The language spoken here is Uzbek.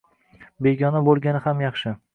Begona bo‘lgani ham yaxshi